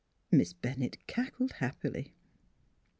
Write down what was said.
Miss Bennett cackled happily.